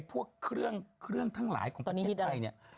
พวกเครื่องทั้งหลายของประเทศไต้